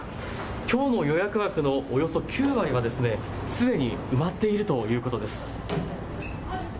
きょうの予約のおよそ９割はすでに埋まっているということです。